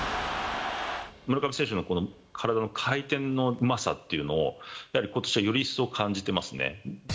村上選手の、この体の回転のうまさっていうのを、やはりことしはより一層感じてますね。